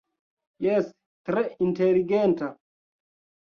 Jes, tre inteligenta!